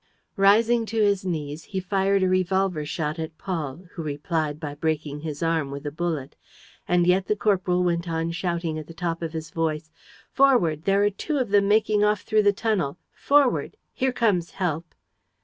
Rising to his knees, he fired a revolver shot at Paul, who replied by breaking his arm with a bullet. And yet the corporal went on shouting at the top of his voice: "Forward! There are two of them making off through the tunnel! Forward! Here comes help!"